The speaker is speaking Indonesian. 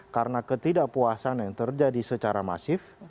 karena ketidakpuasan yang terjadi secara masif